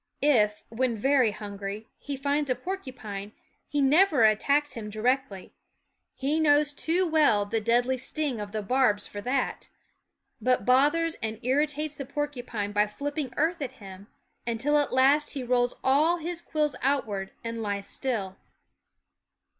If, when very hungry, he finds a porcupine, he never attacks him directly, he knows too well the deadly sting of the barbs for that, but bothers and irritates the porcu pine by flipping earth at him, until at last he rolls all his quills outward and lies still.